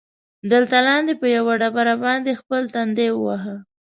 دلته لاندې، په یوه ډبره باندې خپل تندی ووهه.